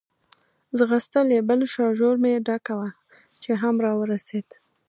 ځغستل یې، بل شاژور مې ډکاوه، چې هم را ورسېد.